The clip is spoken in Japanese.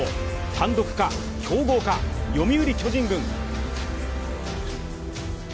単独か、競合か、読売巨人軍。